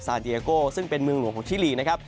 เดียโกซึ่งเป็นเมืองหลวงของชิลีนะครับ